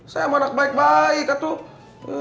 saya mah anak baik baik tuh